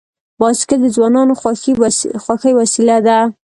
بایسکل د ځوانانو خوښي وسیله ده.